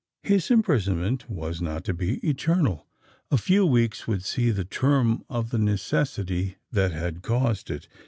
His imprisonment was not to be eternal: a few weeks would see the term of the necessity that had caused it.